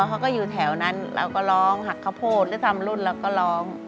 เขาก็อยู่แถวนั้นเราก็ร้องหักข้าวโพดหรือทำรุ่นเราก็ร้อง